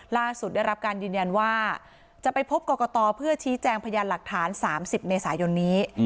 ได้รับการยืนยันว่าจะไปพบกรกตเพื่อชี้แจงพยานหลักฐาน๓๐เมษายนนี้